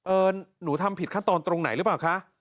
หนูทำผิดขั้นตอนตรงไหนหรือเปล่าคะ